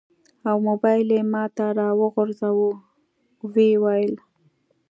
او موبایل یې ماته راوغورځاوه. و یې ویل: